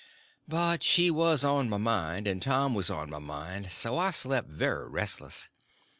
But she was on my mind and Tom was on my mind, so I slept very restless.